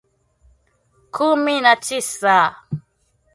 kumi na tisa